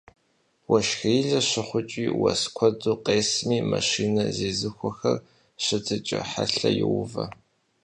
Уэшхырилэ щыхъукӀи, уэс куэду къесми, машинэ зезыхуэхэр щытыкӀэ хьэлъэ йоувэ.